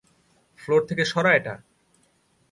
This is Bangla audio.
ফ্লোর থেকে সরা এটা।